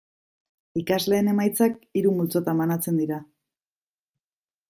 Ikasleen emaitzak hiru multzotan banatzen dira.